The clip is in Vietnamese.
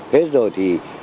thế rồi thì